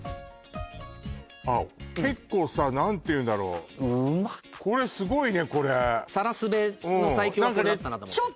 あっ結構さ何ていうんだろううまっこれすごいねこれがこれだったなと思ってそうそう